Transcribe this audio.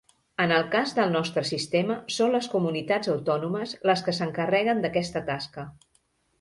En el cas del nostre sistema són les Comunitats Autònomes les que s’encarreguen d’aquesta tasca.